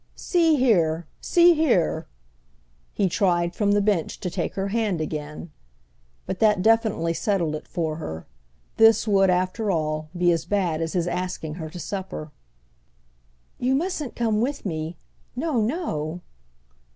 "See here—see here!" He tried, from the bench, to take her hand again. But that definitely settled it for her: this would, after all, be as bad as his asking her to supper. "You mustn't come with me—no, no!"